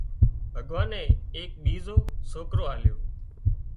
ڀڳوانئي ايڪ ٻيزو سوڪرو آليو